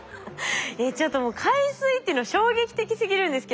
ちょっともう海水っていうの衝撃的すぎるんですけど。